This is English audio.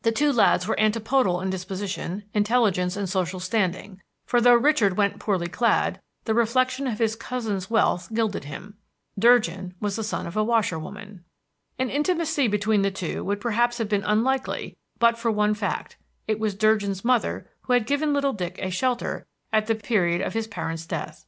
The two lads were antipodal in disposition, intelligence, and social standing; for though Richard went poorly clad, the reflection of his cousin's wealth gilded him. Durgin was the son of a washerwoman. An intimacy between the two would perhaps have been unlikely but for one fact: it was Durgin's mother who had given little Dick a shelter at the period of his parents' death.